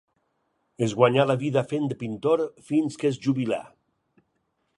Es guanyà la vida fent de pintor, fins que es jubilà.